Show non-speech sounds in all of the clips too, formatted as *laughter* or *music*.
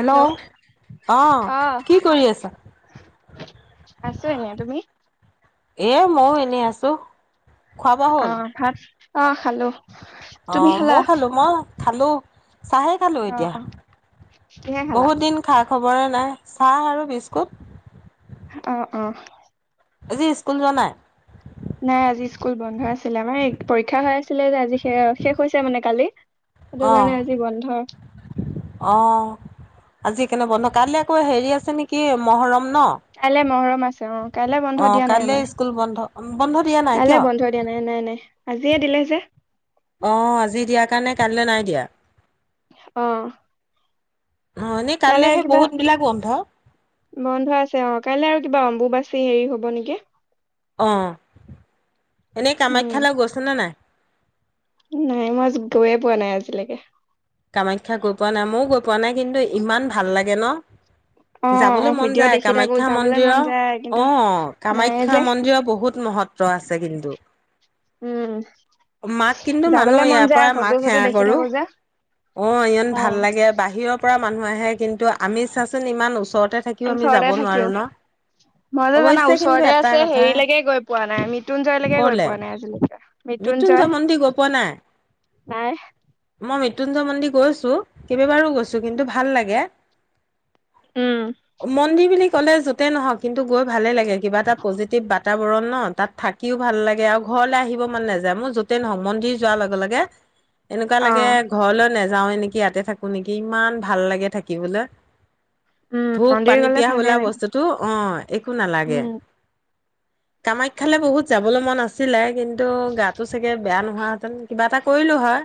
Hello অ, অ কি কৰি আছা? আছো এনেই, তুমি? এ, মইও এনেই আছো। খোৱা বোৱা অ হ'ল ভাত, অ খালো। অ তুমি খালা মইও খালো, মই খালো। চাহেই খালোঁ অ এতিয়া অ কিহে খালা বহুত দিন খা- খবৰে নাই। চাহ আৰু বিস্কুট। অ, অ, আজি স্কুল যোৱা নাই? নাই আজি স্কুল বন্ধ আছিলে আমাৰ পৰীক্ষা হৈ আছিলে যে, আজি শেষ- হৈছে মানে কালি। সেইটো অ কাৰণে আজি বন্ধ। অ, আজি সেইকাৰণে বন্ধ কাইলৈ আকৌ হেৰি আছে নেকি মহৰম। ন কাইলৈ মহৰম আছে অ, কাইলৈ অ বন্ধ দিয়া নাই কাইলৈ আমাৰ, স্কুল বন্ধ বন্ধ দিয়া নাই কাইলে কিয় বন্ধ দিয়া নাই। নাই- নাই-নাই আজিয়ে দিলে যে, অ, আজি দিয়া কাৰণে কাইলৈ নাই দিয়া। অ, অ এনেই কাইলে কাইলৈহে কিবা বহুত বিলাক বন্ধ। বন্ধ আছে অ কাইলৈ আৰু কিবা অম্বুবাচি হেৰি হব নেকি? অ, এনেই উম কামাখ্যালৈ গৈছানে নাই? নাই মই গৈয়ে পোৱা নাই আজিলৈকে। কামাখ্যা গৈ পোৱা নাই ময়ো গৈ পোৱা নাই কিন্তু ইমান ভাল লাগে ন? অ অ যাবলৈ মন ভিডিঅ' যায় দেখি থাকো কামাখ্যা যাবলৈ মন মন্দিৰৰ যায় কিন্তু অ, নাই কামাখ্যা যে মন্দিৰৰ বহুত ম- মহত্ব আছে কিন্তু। উম মাক কিন্তু মানো যাবলে মন ইয়াৰ যায় পৰা ফটো মাক চটো সেৱা দেখি কৰো। থাকো যে অ ইমান ভাল লাগে বাহিৰৰ পৰা মানুহ আহে। কিন্তু আমি চোৱাচোন ইমান ওচৰতে থাকিও আমি যাব নোৱাৰো ন? মইতো জানা অৱশ্যে কিন্তু ওচৰতে এটা আছে কথা হেৰিলৈকে গৈ পোৱা নাই মৃত্যুঞ্জয়লৈকে গৈ কলে পোৱা নাই আজিলৈকে। মৃত্যুঞ্জয় মন্দিৰ গৈ পোৱা নাই? নাই। মই মৃত্যুঞ্জয় মন্দিৰ গৈছোঁ, কেইবাবাৰো গৈছোঁ কিন্তু ভাল লাগে। উম মন্দিৰ বুলি ক'লে য'তে নহওক কিন্তু গৈ ভালেই লাগে কিবা এটা পজিটিভ বাতা- বৰন ন? তাত থাকিও ভাল লাগে আৰু ঘৰলৈ আহিব মন নাযায় মোৰ যতেই নহওক মন্দিৰ যোৱাৰ লগে লগে- এনেকুৱা অ লাগে ঘৰলৈ নাযাওৱে নেকি ইয়াতে থাকো নেকি ইমান ভাল লাগে থাকিবলৈ। উম ভোক মন্দিৰ পানী গলে পিয়াহ ভালে বোলা লাগে বস্তুটো অ, একো নালাগে। উম *inaudible* কামাখ্যালে বহুত যাবলৈ মন আছিলে কিন্তু গাটো চাগে বেয়া নোহোৱাহেঁতেন কিবা এটা কৰিলো হয়।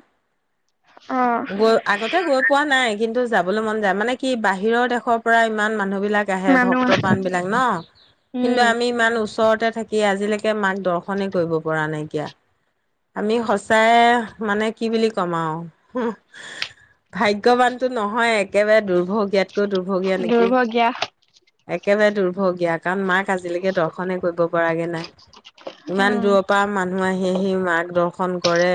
অ গৈ, আগতে গৈ পোৱা নাই কিন্তু- যাবলৈ মন যায় মানে কি বাহিৰৰ দেশৰ পৰা ইমান মানুহবি বিলাক আহে মানুহ আছে ভক্তপ্ৰান বিলাক ন, উম কিন্তু আমি ইমান ওচৰতে থাকি আজিলৈকে মাক দৰ্শনে কৰিব পৰা নাইকিয়া, আমি সচাই মানে কি বুলি ক'ম আৰু, ভাগ্যৱানতো নহয়ে, একেবাৰে দুৰ্ভগীয়া কৈও দুৰ্ভগীয়া নেকি, দুৰ্ভগীয়া একেবাৰে দুৰ্ভগীয়া কাৰণ মাক আজিলৈকে দৰ্শনে কৰিব পৰাগে নাই। ইমান উম দূৰৰ পৰা মানুহ আহি আহি মাক দৰ্শন কৰে।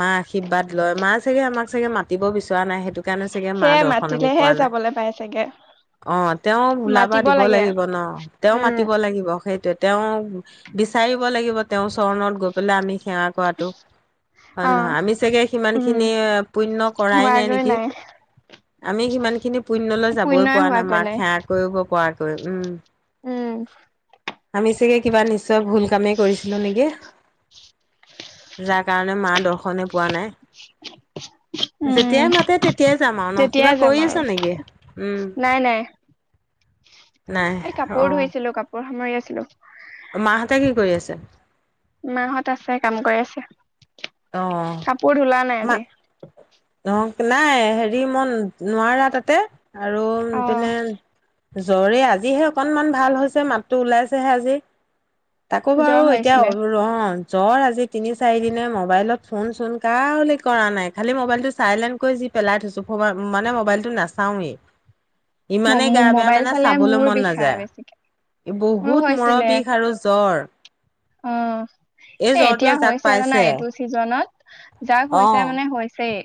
মা আশীৰ্বাদ লয়, মা চাগে আমাক চাগে মাতিব বিচৰা নাই, সেই সেইটো কাৰণে চাগে মা সেয়ে দৰ্শন আমি মাতিলেহে পোৱা নাই। যাবলৈ পাই চাগে অ', তেওঁ বোলাবা মাতিব দিব লাগে লাগিব ন, তেওঁ উম মাতিব লাগিব সেইটোৱেই তেওঁ বিচাৰিব লাগিব তেওঁ চৰণত গৈ পেলাই আমি সেৱা কৰাটো। অ হয়নে নহয়, আমি চাগে উম সিমানখিনি পুণ্য কৰাই নাই নেকি। আমি সিমান খিনি পুণ্যলৈ যাবই পুণ্যই পৰা নাই হোৱাগৈ মাক সেৱা কৰিব পৰাকৈ, উম। উম। আমি চাগে কিবা নিশ্চয় ভুল কামেই কৰিছিলো নেকি। যাৰ কাৰণে মা দৰ্শনে পোৱা নাই। উম যেতিয়াই মাতে তেতিয়াই যাম আৰু ন, তেতিয়াই কিবা যাম কৰি আৰু আছা নেকি? উম নাই নাই। নাই এ অ কাপোৰ ধুইছিলো, কাপোৰ সামৰি আছিলো। মাহঁতে কি কৰি আছে? মাহঁত আছে, কাম কৰি আছে, অ কাপোৰ ধুলা নাই মা আজি? অ নাই, হেৰি মই নোৱাৰা তাতে, আৰু অ ইপিনে জ্বৰেই, আজিহে অকনমান ভাল হৈছে, মাতটো ওলাইছেহে আজি। তাকো বাৰু জ্বৰ হৈ এতিয়া আছিলে *unintelligible* জ্বৰ আজি তিনি চাৰি দিনে, মোবাইলত ফোন চোন কাউলে কৰা নাই, খালি ম'বাইলটো চাইলেণ কৰি যি পেলাই থৈছো ক'ৰবাত, মানে মোবাইলটো নাচাওৱেই। ইমানেই গা বেয়া মোবাইল মানে, চালে চাবলৈ মোৰ মন বিষাই বেছিকে নাযায়। মোৰো বহুত মূৰৰ হৈছিলে বিষ আৰু জ্বৰ। অ', এই এ জ্বৰটোৱে এতিয়া যাক হৈছেই জানা, পাইছে এইটো চিজনত। যাক অ হৈছে মানে হৈছেই,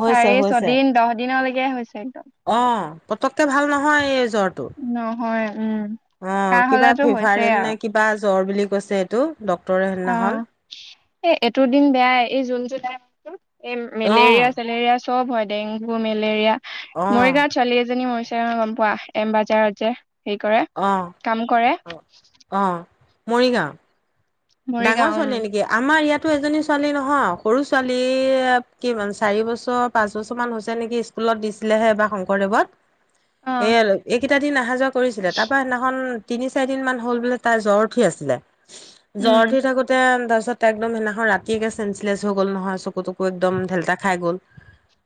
হৈছে চাৰি, হৈছে ছয়দিন, দহ দিনলৈকে হৈছে। একদম অ', পতককে ভাল নহয় এ জ্বৰটো, নহয় উম অ' কাহ কিবা হলেতো হৈছেই ফিভাৰেল নে আৰু কিবা জ্বৰ বুলি কৈছে এইটো। ডক্তৰে সেইদিনাখন অ', এ এইটো দিন বেয়াই, এই জুন জুলাই মাহটোত এই অ মেলেৰিয়া চেলেৰিয়া চব হয়, ডেংগু, মেলেৰিয়া অ মৰিগাঁৱত ছোৱালী এজনী মৰিছ তেওঁ গম পোৱা, এম বজাৰত যে হেৰি কৰে, অ কাম কৰে। অ অ মৰিগাঁও, ডাঙৰ মৰিগাঁও উম ছোৱালী নেকি, আমাৰ ইয়াত এজনী ছোৱালী নহয়, সৰু ছোৱালী এ কিন্তু চাৰি বছৰ পাঁচ বছৰ মান হৈছে নেকি, স্কুল লত দিছিলেহে এইবাৰ শংকৰদেৱত। অ সেইয়া, এইকেইটা দিন অহা যোৱা কৰিছিলে, তাৰপৰা সিদিনাখন তিনি চাৰি দিন মান হ'ল বোলে তাই জ্বৰ উঠি আছিলে, জ্বৰ উম উঠি থাকোতে আৰু তাৰ তাৰপিছত তাই একদম সেইদিনাখন ৰাতি একেবাৰে চেঞ্চলেছ হৈ গ'ল নহয়, চকু তকু একদম ঢেলটা খাই গ'ল।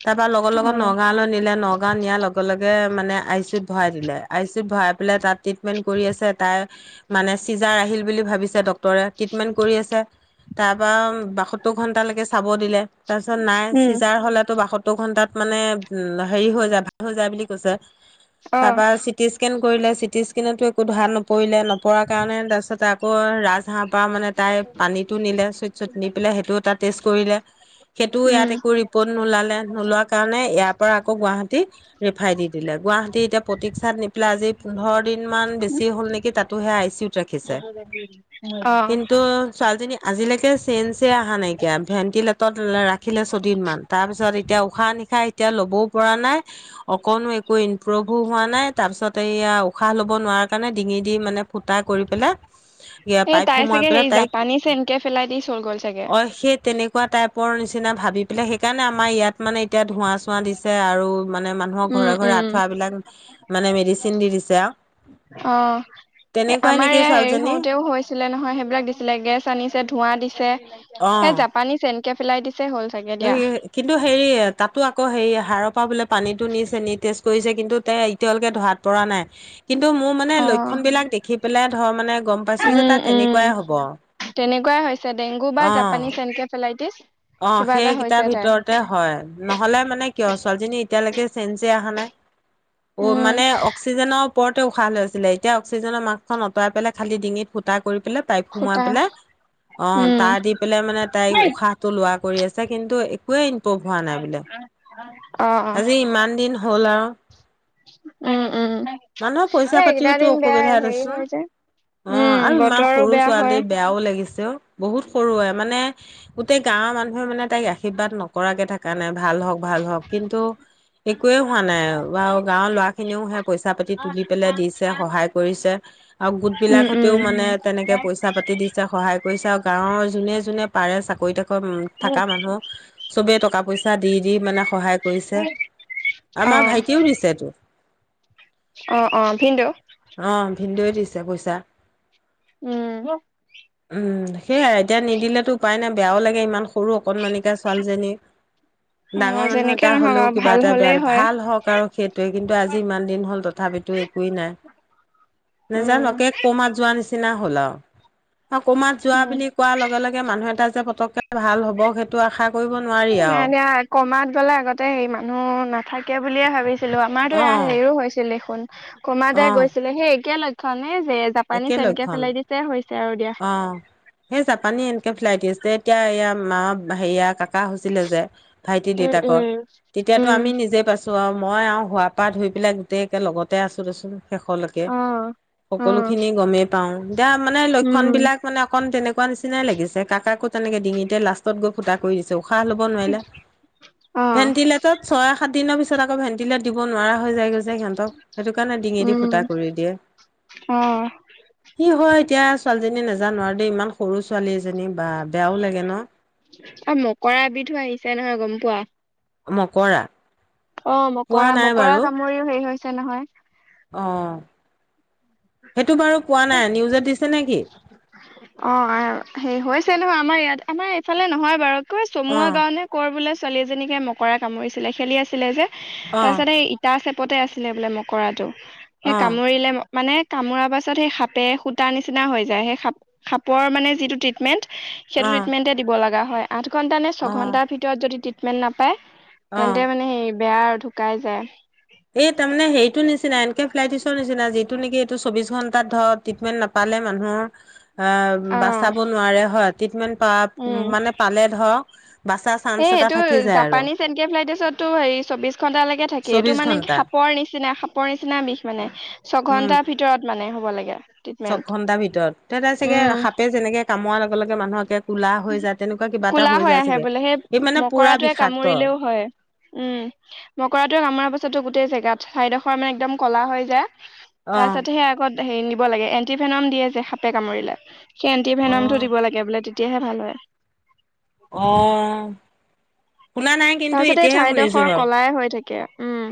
তাৰপৰা লগৰ অ লগত নগাঁৱলৈ নিলে, নগাঁও নিয়াৰ লগে লগে মানে আই চি ইউত ভৰাই দিলে, আই চি ইউত ভৰাই লে, তাত ট্ৰিটমেণ্ট কৰি আছে, তাই মানে চিজাৰ আহিল বুলি ভাবিছে ডক টৰে ট্ৰিটমেন্ট কৰি আছে, তাৰপৰা আৰু বাসত্তৰ ঘন্টালৈকে চাব দিলে, তাৰপিছত নাই, উম চিজাৰ হ'লেতো বাসত্ ত্তৰ ঘণ্টাত মানে হেৰি হৈ যায়, ভাল হৈ যায় বুলি কৈছে, অ তাৰপৰা চিটিস্কেন কৰিলে, চিটি স্কেনতো একো ধৰা নপৰিলে, নপৰাৰ কাৰণে তাৰপিছতে আকৌ ৰাজহাড় ত পৰা মানে তাই পানীতটো নিলে চুইট ছইট নি পেলাই সেইটোও এটা টেষ্ট কৰিলে সেইটোও ইয়াত একো উম ৰিপৰ্ট নোলালে নোলোৱা কাৰণে ইয়াৰ পৰা আকৌ গুৱাহাটী ৰেফাই দি দিলে গুৱাহাটী এতিয়া প্ৰতিক্ষাত নি পেলাই আজি পোন্ধৰ দিন ম বেছি হ'ল নেকি তাতোহে আইচি অ ছোৱালীজনী আজিলৈকে চেন চে অহা নাইকিয়া ভেন্টিলেট ৰাখিলে ছদিন মান তাৰপিছত এতিয়া এতিয়া উশাহ নিশাহ এতিয়া ল'বও পৰা নাই অকনো একো ইমপ্ৰভো হোৱা নাই তাৰপিছত এইয়া উশাহ লব নোৱাৰ কাৰণে ডিঙি দি মানে ফুটা কৰি পেলাই এই পাইপ তাই সোমোৱাই চাগে পেলাই হেৰি তাইক জাপানী চেনকে পেলাই দি চল গ'ল চাগে অ সেই তেনেকুৱা তাই ওপৰ নিচিনা ভাবি পেলাই সেইকাৰণে আমাৰ ইয়াত মানে এতিয়া ধোঁৱা চোঁৱা দিছে আৰু মানে মানুহক উম ঘৰে ঘৰে উম আঁঠুৱা বিিলাক মানে মেডিচিন দি দিছে আৰু অ তেনেকুৱাই নেকি ছোৱালজনী ছিলে নহয় সেইবিলাক দিছিলে গেছ আনিছে ধোঁৱা দিছে সেই জাপানিচ এনকে পেলাই দি এ কিন্তু হেৰি তাতো আকৌ হেৰি হাৰ া বোলে পানীো নি চে নি জ কৰিছে কিন্তু তে এতিয়ালৈকে ধাত পৰা নাই কিন্তু মোৰ মানে অ লক্ষণ বিলাক দেখি পেলাই ধৰ মানে গম পাইছো যে উম তাত উম তেনেকুৱাই হব তেনেকুৱাই হৈছে ডেংগু বা অ জাপানী চ এনকে ফেলাইটিছ অ সেইকেইটাৰ ভিতৰতে হয় নহলে মানে কিয় ছোৱালীজনী এতিয়ালৈকে চেঞজ অহা নাই অ উম মানে অক্সিজেনৰ ওপৰ উশাহ হৈছিলে এতিয়া অ্িজনৰ ম্খনতৰাইাইেলাই খালিঙিত ফুটাা কৰি পেলাই তাইক সোমাই খুটা পেলাই অ উম তাৰ দি পেলাই মানে তাই উশাহ টো লোৱা কৰি আছে আচা কিন্তু একোৱেই ইমপ্ৰুভ হোৱা নাই বোলে অ অ আজি ইমান দিন হ'ল আৰু উম উম এই মানুহৰ পইচা এইকেইটা পাতিওতো দিন বেয়াই অসুবিধা হেৰি দেচোন হৈ যে অ উম আৰু ইমান বতৰো সৰু বেয়া ছোৱালী হয় বেয়াও লাগিছে বহুত সৰুৱে মানে গোটেই গাঁৱৰ মানুহে মানে তাইক ৰা আশীৰ্বাদ নকৰাকে থকা নাই ভাল হওক ভাল হওঁক কিন্তু একোৱে হোৱা নাই ব গাঁৱৰ লৰা খিনিও সে পইচা পাতি তুলি পেলাই দিছে সহায় কৰিছে আৰু গোট উম উম বিলাকতেও মানে তেনেকে পইচা পাতি দিছে সহায় কৰিছে আৰু গাঁৱৰ যোনে যোনে পাৰে চাকৰি তাকৰি থকা মানুহ চবেই কা টকা পইচা দি দি মানে সহায় কৰিছে অ আমাৰ ভাইটিও দিছে তটো অ অ ভিনদেউ আহ ভিন্দে দিছে পইচা উম উম সেয়াই এতিয়া নিদিলেতো উপায় নাই বেয়াও লাগে ইমান সৰু অকণমানিকা ছোৱালীজনী অ ডাঙৰ মানুহ যেনেকে এটা নহওক হলেও আৰু কিবা ভাল এটা বেয়া হলেই হয় ভাল হওক আৰু সেইটোৱে কিন্তু আজি ইমান দিন হ'ল তথাপি ো একোৱেই নাই *unintelligible* নেজানো উম একে কমাত যোৱা নিচিনা হল আৰু কমাত যোৱা উম বুলি কোৱাৰ লগে লগে মানুহ এটা যে পতকে ভাল হ'ব সেইটো আশা নাই আৰু। ন কমাত গলে আগতে হে মানুহ নাথাকে বুলিয়ে ভাবিছিলোঁ আমাৰতো অ', হেৰিও হৈছিলে কমা দোই অ', গৈছিলে সেই একে লক্ষ্ নে যে জাপানী একে চ এনকে লক্ষণ। ফেলাই দিছে অ সেই জাপানী এনেকে ফেলাই দিছে এতিয়া এয়া মা হেয়া কাক থকা হৈছিলে যে ভাইটি উম দেউতাকৰ উম তেতিয়াতো উম আমি নিজে পাইছো আৰু মই আৰু হোৱাৰ পৰা ধুই পেলাই গোটেইকে লগতে আছো দেচোন শেষলৈকে অ অ সকলোখিনি গমেই পাওঁতিয়া মানে খন উম বিলাকানে অকন তেনেকুৱা নিচিনাই লাগিছে কাকো তেনেকে ডিঙিতে লাষ্টত গৈ ফুটা কৰি দিছো াহ ন ভে অ স দিনৰ পিত আকৌ ভে দ ন হৈ যায় গৈছে সিহঁতক সেইটো কাৰণে ডিঙি দি উম ফুটা কৰি দিয়ে অ সি হয় এতিয়া ছোৱালীজনী নাজানো আৰু দেই ইমান সৰু ছোৱালী এজনী। বা বেয়াও লাগে ন অ মকৰা এবিধো আহিছে নহয় গম পোৱা। মকৰা। অ পোৱা মকৰা নাই মকৰা বাৰু কামুৰিও হেৰি হৈছে নহয়। অ সেইটো বাৰু পোৱা নাই নিউজত দিছে নে। অ হেৰি হৈছে নহয় আমাৰ ইয়াত আমাৰ এইফালে নহয় বাৰু। *inaudible* অ চমুুৱা গাওঁ নে কৰ বোলে ছোৱালী এজনীকে মকৰা কামুৰিছিলে খেলি আছিলে যে। অ তাৰপিছত এই ইটা চেপতে আছিলে বোলে মকৰাটো সেই অ কামুৰিলে। মানে কামোৰাৰ পাছত সেই সাপে সূতা নিচিনা হৈ যায় সেই সাপৰ মানে যিটো ট্ৰিটমেণ্ট। সেইটো অ ট্ৰিটমেণ্টে দিব লগা হয় আঠ ঘন্টা নে অ ছয়ঘন্টাৰ ভিতৰত যদি ট্ৰিটমেণ্ট নাপায়। অ তেন্তে মানে হে বেয়া ঢুকাই যায়। এই তাৰমানে সেইটো নিচিনা এনকে ফ্লাইটিছ। নিচিনা যিটো নেকি এইটো চৌবিশ ঘণ্টাত ধৰ ট্ৰিটমেণ্ট নাপালে মানুহ। অ অ', বাচাব নোৱাৰে হয় ট্ৰিটমেণ্ট উম। প মানে পালে ধৰক। বাচা এ চান্স এটা এইটো থাকি যায় আৰু জাপানীছ এনকে ফ্লাইটিছটো হে চৌবিশ ঘন্টালৈকে থাকে এইটো চৌবিশ মান। মানে ঘন্টা সাপৰ নিচিনা সাপৰ নিচিনা বিষ মানে ছঘন্টাৰ ভিতৰত মানে হ'ব লাগে। ছয় ট্ৰিটমেন্ট। ঘন্টা ভিতৰত তে তাৰ চাগে সাপে যেনেকে কামোৱাৰ লগে লগে মানুহকে। কোলা হৈ যায় তেনেকুৱা কিবা এটা কোলা হৈ যায় আহে চাগে বোলে সেই এই মানে পুৰা মকৰাটোৱে বিষাক্ত। কামুৰিলেও হয় উম মকৰাটো আামাৰ পাছতো গোটেই চাগে। *unintelligible* চাৰিডোখৰ মানে একদম ক'লা হৈ যায় অ তাৰপিছতহে আগত। হেৰি নিব লাগে এণ্টিভেনম দিয়ে যে সাপে কামুৰিলে সেই এন্টিভেনম টো দিব লাগে বোলে তেতিয়া। তেতিয়াহে ভাল হয়। অ শুনা নাই কিন্তু তাৰপিছত এই এতিয়াহে শুনিছো ঠাইডোখৰ বাৰু কলাই হৈ থাকে। উম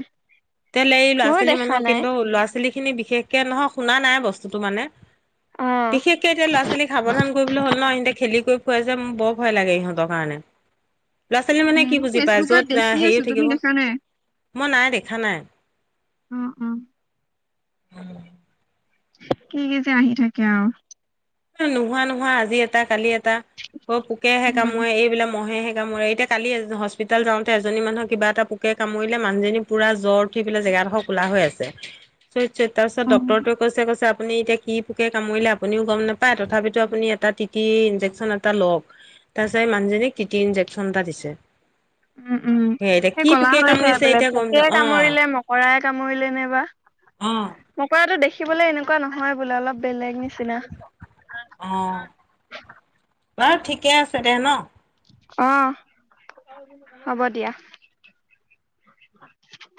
*unintelligible* এই ময়ো ল'ৰা-ছোৱালী দেখা মানুহক নাই কিন্তু ল'ৰা-ছোৱালী খিনি বিশেষকে নহয় শুনা নাই বস্তুতটো মানে। অ'। বিশেষকে এতিয়া ল'ৰা-ছোৱালীক সাৱধান কৰিবলৈ হ'ল নহ সিহতে খেলি কৰি। *unintelligible* যে মোৰ বৰ ভয় লাগে ইহঁতৰ কাৰণে। ল'ৰা-ছোৱালী মানে উম কি মই বুজি পায় ফেচবুকত য'ত দেখি আছো হেৰিও তুমি থাকিব দেখা নাই? মই নাই দেখ। উম উম। অহ। কি যে আহি থাকে আৰু। নোহোৱা নোহোৱা আজি এটা কালি এটা অ পোকেহে উম কামোৰে এইবিলাক মহে হে। মই এতিয়া কালি হস্পিতাল যাওঁতে এজনী মানুহ কিবা এটা পোকে কামৰিলে মানুহজনী পুৰা জ্বৰ উঠি পেলাই জেগা। জেগা ডোখৰ ক'লা হৈ আছে। তাৰ পিছত উম ডক্টৰ টোৱে কৈছে কৈছে আপুনি এতিয়া কি পোকে কামৰিলে আপোনিও গম নাপায়। তথাপিটো আপোনি এটা টিটি ইনজেকচন এটা লওঁক। তাৰ পিছত মানুহজনীক টিটি ইনজেকচন এটা দিছে। উম উম সেয়া এতিয়া সেই কি কলা পোকে হৈ জাই কামুৰিছে বোলে এতিয়া গম পুকে অ কামুৰিলে মকৰাই কামুৰিলে নাইবা। অ মকৰাটো দেখি। দেখিবলৈ এনেকুৱা নহয় বোলে অলপ বেলেগ নিচিনা। অ বাৰু ঠিকে আছে দে নহ। অহ হব দিয়া।